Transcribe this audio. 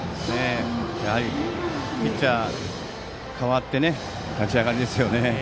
やはりピッチャー代わって立ち上がりですよね。